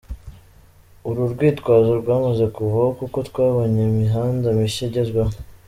Uru rwitwazo rwamaze kuvaho kuko twabonye imihanda mishya igezweho.